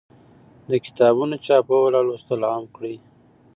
د کتابونو چاپول او لوستل عام کړئ.